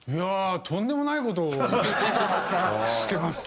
とんでもない事をしてましたね。